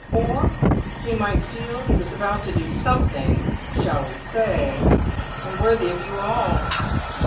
"Or he might feel he was about to do something, shall we say, unworthy of you all?"